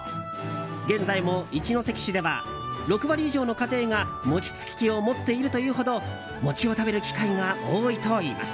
現在も一関市では６割以上の家庭が餅つき機を持っているというほど餅を食べる機会が多いといいます。